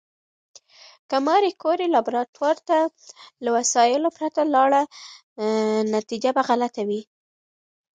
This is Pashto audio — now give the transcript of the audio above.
که ماري کوري لابراتوار ته له وسایلو پرته لاړه، نتیجه به غلطه وي.